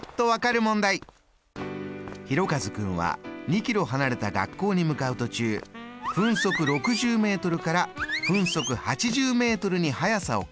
「ひろかず君は２ｋｍ離れた学校に向かう途中分速６０ｍから分速８０ｍに速さを変えました。